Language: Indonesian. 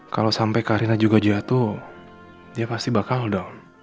kalo sampe karina juga jatuh dia pasti bakal down